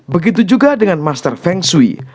begitu juga dengan master feng shui